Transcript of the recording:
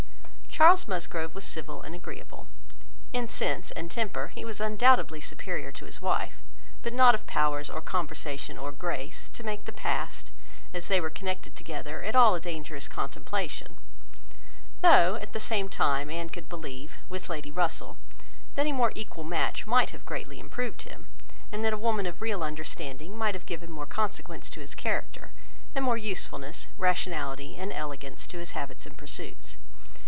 Charles Musgrove was civil and agreeable; in sense and temper he was undoubtedly superior to his wife, but not of powers, or conversation, or grace, to make the past, as they were connected together, at all a dangerous contemplation; though, at the same time, Anne could believe, with Lady Russell, that a more equal match might have greatly improved him; and that a woman of real understanding might have given more consequence to his character, and more usefulness, rationality, and elegance to his habits and pursuits.